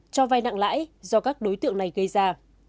cho vai nặng lãi do các đối tượng này gây ra